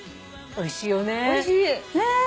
おいしい。